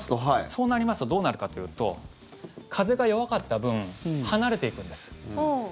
そうなりますとどうなるかというと風が弱かった分離れていくんです。